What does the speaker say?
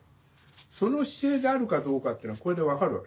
その姿勢であるかどうかっていうのはこれで分かるわけ。